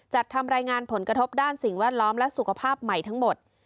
จัดทำรายงานผลกระทบด้านสิ่งแวดล้อมและสุขภาพใหม่ทั้งหมด